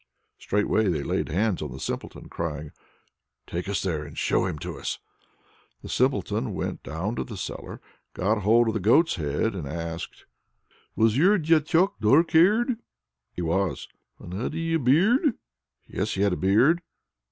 Straightway they laid hands on the Simpleton, crying, "Take us there and show him to us." The Simpleton went down into the cellar, got hold of the goat's head, and asked: "Was your Diachok dark haired?" "He was." "And had he a beard?" "Yes, he'd a beard."